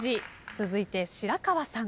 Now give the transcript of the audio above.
続いて白河さん。